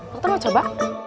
lo tuh mau coba